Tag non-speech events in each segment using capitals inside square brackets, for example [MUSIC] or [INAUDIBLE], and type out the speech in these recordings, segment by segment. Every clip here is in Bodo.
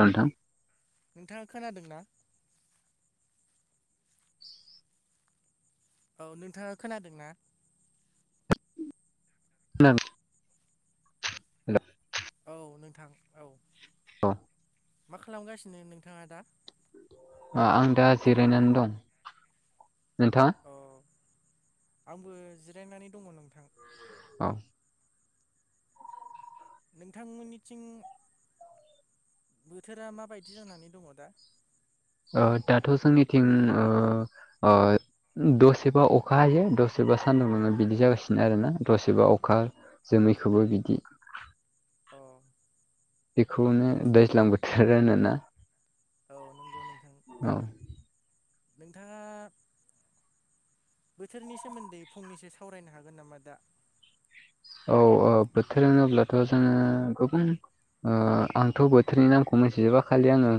नोंथां नोंथाङा खोनादों ना औ नोंथाङा खोनादों ना [UNINTELLIGIBLE] [UNINTELLIGIBLE] औ नोंथां औ [UNINTELLIGIBLE] मा खालामगासिनो नोंथाङा दा आं दा जिरायनानै दं नोंथां अ आंबो जिरायनानै दङ नोंथां औ नोंथांमोननिथिं बोथोरा माबायदि जानानै दङ दा ओ दाथ' जोंनिथिं ओ ओ दसेबा अखा हायो दसेबा सान्दुं मोनो बिदि जागासिनो आरोना दसेबा अखा जोमैखौबो बिदि अ बेखौनो नोंथां दैज्लां बोथोर होनोना औ नंगौ नोंथां औ नोंथाङा बोथोरनि सोमोन्दै फंनैसो सावरायनो हागोन नामा दा औ औ बोथोर होनोब्लाथ' जोङो गोबां ओ आंथ' बोथोरनि नामखौ मोनथिजोबा खालि आङो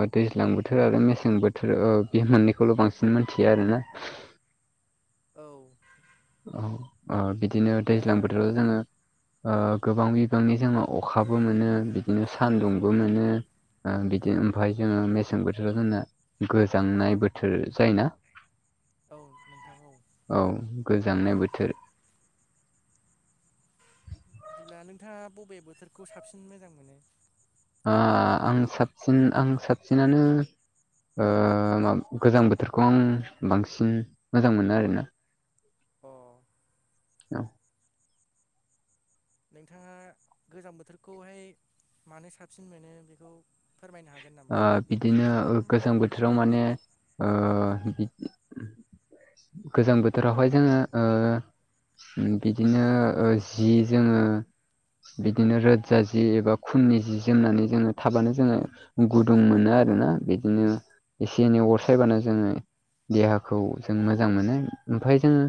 ओ दैज्लां बोथोर आरो मेसें बोथोर ओ बे मोननैखौल' बांसिन मोनथियो आरोना औ औ बिदिनो दा दैज्लां बोथोराव जोङो ओ गोबां बिबांनि जोंङो अखाबो मोनो बिदिनो सान्दुंबो मोनो बिदिनो ओमफफ्राय जोङो मेसें बोथोराव जोंना गोजांनाय बोथोर जायो ना औ नोंथां औ औ गोजांनाय बोथोर बिदिब्ला नोंथाङा बबे बोथोरखौ साबसिन मोजां मोनो आं साबसिन आं साबसिनानो ओ म गोजां बोथोरखौ आं बांसिन मोजां मोनो आरोना अ औ नोंथाङा गोजां बोथोरखौहाय मानो साबसिन मोनो बेखौ फोरमायनो हागोन नामा ओ बिदिनो गोजां बोथोराव माने ओ गोजां बोथोरावहाय जोङो ओ बिदिनो ओ जि जोङो बिदिनो रोजा जि एबा खुननि जि जोमनानै जोङो थाबानो जोङो गुदुं मोनो आरोना बिदिनो एसे एनै अरसायबानो जोङो देहाखौ जों मोजां मोनो ओमफ्राय जोङो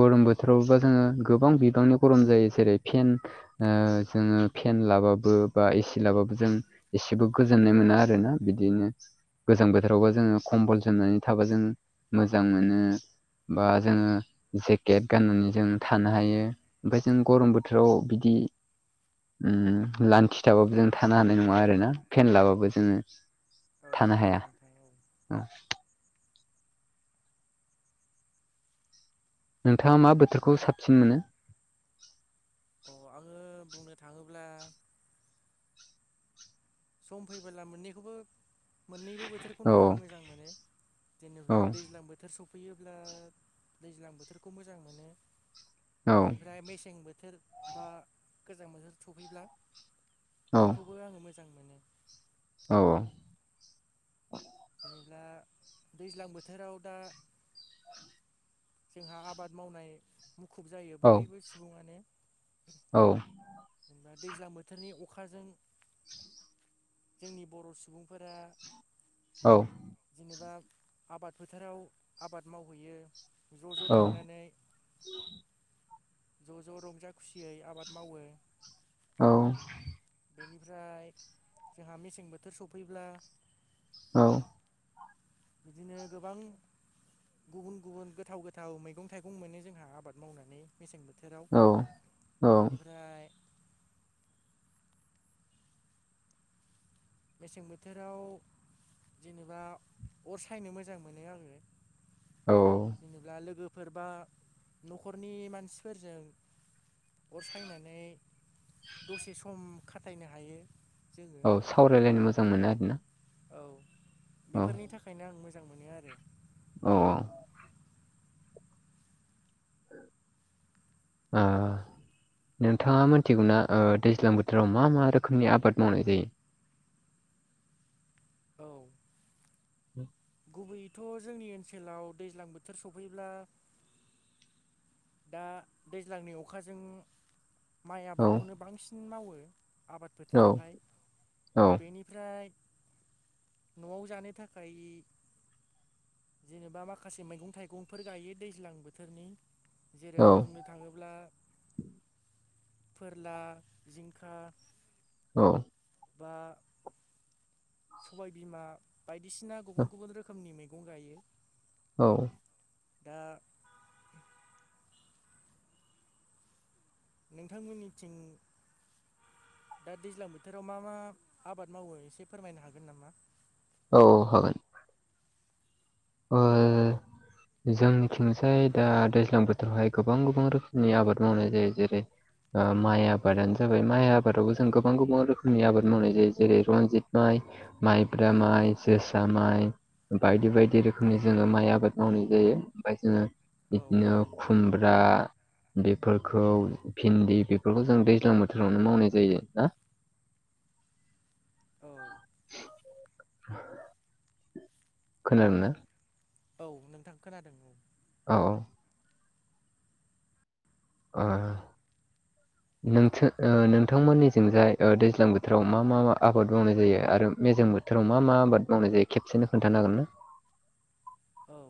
गरम बोथोरावबा जोङो गोबां बिबांनि गरम जायो जेरै फेन ओ जोङो फेन लाबाबो बा एसि लाबाबो जों एसेबो गो गोजोननाय मोना आरोना बिदिनो गोजां बोथोरावबो जोङो कमबल जोमनानै थाबा जों मोजां मोनो बा जोङो जेकेट गाननानै जों थानो हायो ओमफफ्राय जों गरम बोथोराव बिदि लान्थि थाबाबो जों थानो हानाय नङा आरोना फेन लाबाबो जोङो औ थानो नंगौ हाया नोंथां औ औ नोंथाङा मा बोथोरखौ साबसिन मोनो आङो बुंनो थाङोब्ला सम फैबोला मोननैखौबो मोननैबो बोथोरखौनो औ आं मोजां मोनो जेनेबा औ दैज्लां बोथोर बोथोर सफैयोब्ला दैज्लां बोथोरखौ मोजां मोनो औ बेनिफ्राय मेसें बोथोर बा गोजां बोथोर सफैब्ला बेखौ बो आङो मोजां मोनो औ जेनेबा दैज्लां बोथोराव दा जोंहा आबाद मावनाय मुखुब जायो औ बयबो सुबुङानो औ जेनबा दैज्लां बोथोरनि अखाजों जोंनि बर' सुबुंफोरा औ जेनेबा आबाद फोथाराव आबाद मावहैयो ज' ज' थांनानै ज' ज' रंजा खुसियै आबाद मावो औ बेनिफ्राय जोंहा मेसें बोथोर सफैब्ला औ बिदिनो गोबां गुबुन गुबुन गोथाव गोथाव मैगं थाइगं मोनो जोंहा आबाद मावनानै मेसें बोथोराव औ औ बेनिफ्राय मेसें बोथोराव जेनेबा अर सायनो मोजां मोनो आरोङो औ जेनेा लोगोफोर बा न'खरनि मानसिफोरजों अर सायनानै दसे सम खाथायनो हायो जोङो औ सावरायलायनो मोजां मोनो आरोना ना औ बेफोरनि थाखायनो आं मोजां मोनो आरो औ औ नोंथाङा मिथिगौना दैज्लां बोथोराव मा मा रोखोमनि आबाद मावनाय जायो औ औ गुबैयैथ' जोंनि ओनसोलाव दैज्लां बोथोर सफैब्ला दा दैज्लांनि अखाजों माइ औ आबादखौनो बांसिन मावो आबाद औ फोथारावहाय औ बेनि फ्राय न'आव जानो थाखाय जेनेबा माखासे मैगं थाइगंफोर गायो दैज्लां बोथोरनि जेरै औ बुंनो थाङोब्ला फोरला जिंखा औ बा सबायबिमा बायदिसिना गुबुन गुबुन रोखोमनि मैगं गायो औ दा नोंथांमोननिथिं दा दैज्लां बोथोराव मा मा आबाद मावो एसे फोरमायनो हागोन नामा औ हागोन ओ जोंनिथिंसाय दा दैज्लां बोथोरावहाय गोबां गोबां रोखोमनि आबाद मावनाय जायो जेरै माइ आबादानो जाबाय माइ आबादावबो जों गोबां गोबां रोखोमनि आबाद मावनाय जायो जेरै रनजित माइ माइब्रा औ माइ जोसा माइ बायदि बायदि रोखोम रोखोमनि जोङो माइ आबाद मावनाय जायो ओमफ्राय जोङो औ बिदिनो खुमब्रा बेफोरखौ भिन्दि बेफोरखौ जों दैज्लां बोथोरावनो मावनाय जायो ना औ [INAUDIBLE] खोनादों ना औ नोंथां खोनादों औ औ-औ औ नोंस नोंथांमोननिजोंजाय दैज्लां बोथोराव मा मा मा आबाद मावनाय जायो आरो मेजें बोथ फोथाराव मा मा आबाद मावनाय जायो खेबसेनो खोन्थानो हागोन ना औ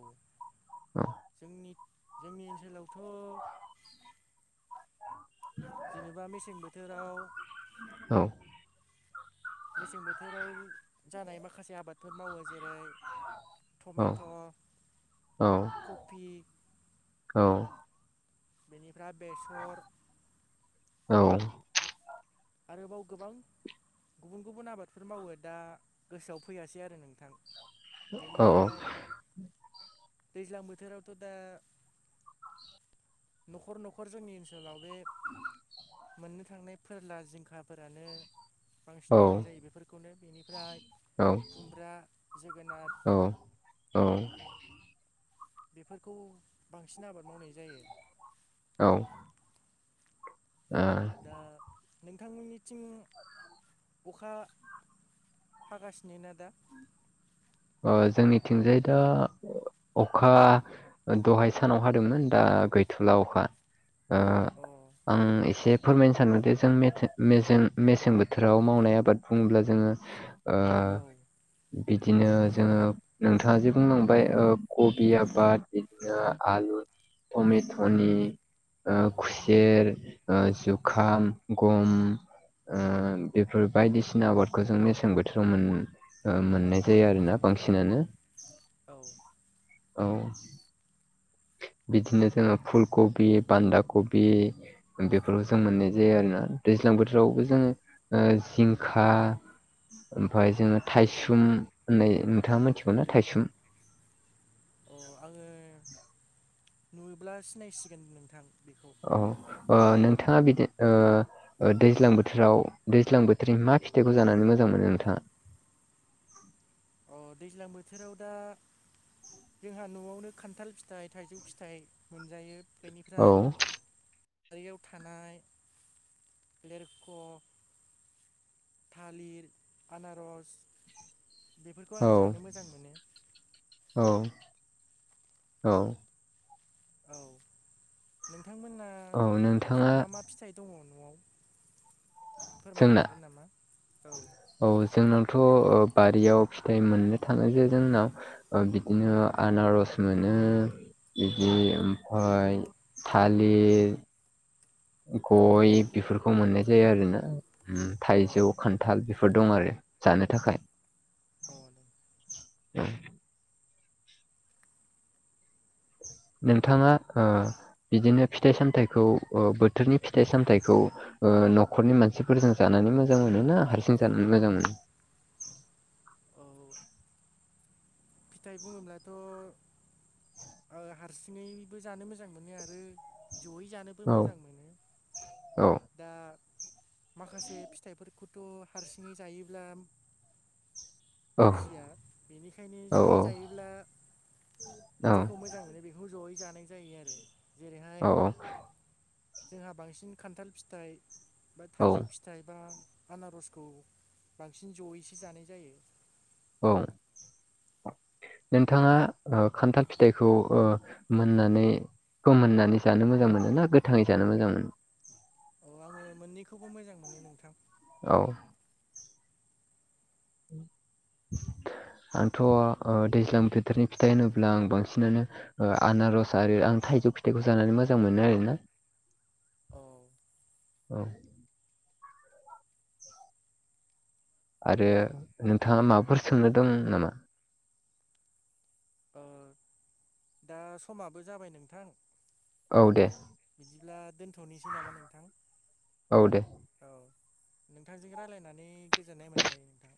जोंनि जोंनि ओनसोलावथ' [INAUDIBLE] जेनेबा मेसें बोथोराव औ मेसें बोथोराव जानाय माखासे आबादफोर मावो जेरै टमेट' औ कफि औ बेनिफ्राय बेसर औ आरोबाव गोबां गुबुन गुबुन आबादफोर मावो दा गोसोआव फैयासै आरो नोंथां औ बेनिफ्राय दैज्लां बोथोरावथ' दा न'खर न'खर जोंनि ओनस सोलाव बे मोननो थांनाय फोरला जिंखाफोरानो बांसिन मावनाय जायो बेफोरखौनो बेनिफ्राय खुमब्रा जोगोनथ बेफोरखौ बांसिन आबाद मावनाय जायो औ [INAUDIBLE] दा नोंथांमोननिथिं अखा हागासिनो ना दा जोंनिथिंजाय दा अखा दहाय सानाव हादोंमोन दा गैथुला अखा अ आं एसे फोरमायनो सानोदि जोंं मेसें बोथोराव मावनाय आबाद बुङोब्ला जोङो ओ औ दे बिदिनो नोंथां जोङो औ नोंथाङा जे बुं नांबाय ओ कबि आबाद बिदिनो ओ आलु तमितनि ओ खुसेर ओ जुखाम गम ओ बेफोर औ बायदिसिना आबादखौ जों मेसें बोथोराव औ मोननाय जायो नंगौ आरोोना नोंथां औ बांसिनानो। औ औ बिदिनो जोङो फुल कबि बान्दा कबि बेफोरखौ जों मोननाय जायो आरोोना दैज्लां बोथोरावबो जोङो ओ जिंखा ओमफफ्राय जोङो थायसुम होननाय नोंथाङा मिथिगौना थाइसुम अ आङो नुयो्ला सिनायसिगोन नोंथां बेखौ औ नोंथाङा बिदिनो ओ दैज्लां बोथोराव दैज्लां बोथोरनि मा फिथाइखौ जानानै मोजां मोनो नोंथाङा? अ दैज्लां बोथोराव दा जोंहा न'आवनो खान्थाल फिथाइ थाइजौ फिथाइ मोनजायो औ बेनिफ्राय बारियाव थानाय लेरख' थालिर आनारस बेफोरखौ औ आङो जानो मोजां मोनो। औ औ औ नोंथांमोना औ नोंथाङा मा मा फिथाइ दङ न'आव फोरमायनो जोंना हागोन नामा औ औ जोंनावथ' बारियाव फिथाइ मोननो थाङो जे जोंनाव बिदिनो आनारस मोनो। बिदि ओमफफ्राय थालिर गय बेफोरखौ मोननाय जायो आरो ना औ थाइजौ खान्थ हथाल बेफोर दं आरो जानो थाखाय। अ [INAUDIBLE] नोंथाङा बिदिनो फिथाइ सामथाइखौ बोथोरनि फिथाइ सामथाइखौ न'खरनि मानसिफोरजों जानानै मोजां मोनोना हारसिं जानानै मोजां मोनो? औ फिथाइ बुङोब्लाथ' हारसिङैबो जानो मोजां मोनो आरो जयै जानो बो औ मोजां मोनो औ दा माखासे फिथाइफोरखौथ' हारसिङै जायोब्ला औ मुजिया बेनिखायनो औ जयै जायोब्ला औ जेखौ मोजां मोनो बेखौ जयै जानाय जायो आरो। जेरैहाय औ जोंहा बांसिन खान्थाल फिथाइ बा औ थाइजौ फिथ फिथाइबा आनारसखौ बांसिन जयैसो जानाय जायो। औ नोंथाङा खान्थाल फिथाइखौ ओ मोननानै फोमोननानै जानो मोजां मोनोना गोथाङै जानो मोजां मोनो? औ आङो मोननैखौबो मोजां मोनो नोंथां। औ आंथ' दैज्लां बोथोरनि फिथाइ होनोब्ला आं बांसिनानो आनारस आरो आं थाइजौ फिथाइखौ जानानै मोजां मोनो आरोना। औ औ आरो नोंथाङा माबाफोर सोंनो दं नामा? दा समाबो जाबाय नोंथां औ दे बिदिब्ला दोनथ'नोसै नामा नोंथां औ दे औ नोंथांजों रायलायनानै गोजोननाय मोनबाय नोंथां